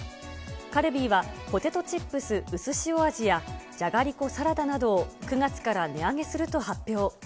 カルビーはポテトチップスうすしお味やじゃがりこサラダなどを９月から値上げすると発表。